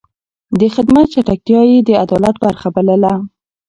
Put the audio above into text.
د خدمت چټکتيا يې د عدالت برخه بلله.